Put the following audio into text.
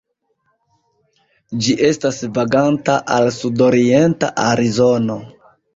Ĝi estas vaganta al sudorienta Arizono.